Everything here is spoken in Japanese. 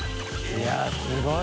いやすごい。